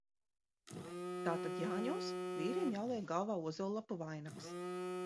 Tātad Jāņos vīriem jāliek galvā ozollapu vainags.